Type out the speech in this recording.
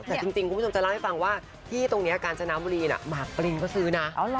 แต่จริงคุณผู้ชมจะเล่าให้ฟังว่าที่ตรงนี้กาญจนบุรีหมากปรินเขาซื้อนะ